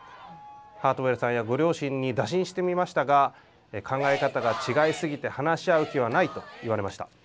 ハートウェルさんやご両親に打診してみましたが考え方が違いすぎて話し合う気はないと言われました。